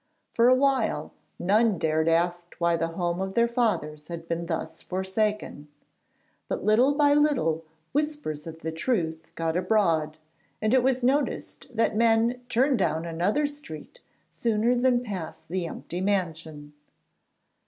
For a while none dared ask why the home of their fathers had been thus forsaken; but little by little whispers of the truth got abroad, and it was noticed that men turned down another street sooner than pass the empty mansion.